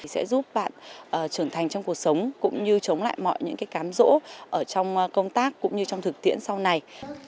sẽ giúp bạn trưởng thành trong cuộc sống cũng như chống lại mọi những cám rỗ trong công tác cũng như trong thực tiễn sau này